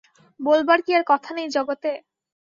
বলবার কি আর কথা নেই জগতে?